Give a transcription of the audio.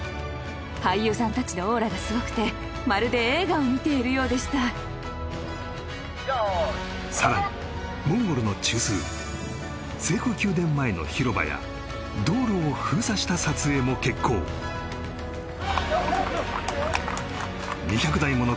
俳優さん達のオーラがすごくてまるで映画を見ているようでしたさらにモンゴルの中枢政府宮殿前の広場や道路を封鎖した撮影も決行２００台もの